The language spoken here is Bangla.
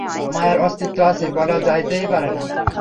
মায়ার অস্তিত্ব আছে, বলা যাইতে পারে না।